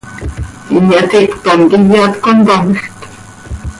¿Inyaticpan quih iyat contamjc?